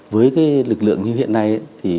với lực lượng như hiện nay